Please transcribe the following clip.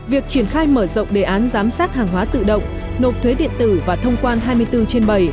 việc triển khai mở rộng đề án giám sát hàng hóa tự động nộp thuế điện tử và thông quan hai mươi bốn trên bảy